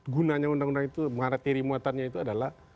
gunanya undang undang itu mengateri muatannya itu adalah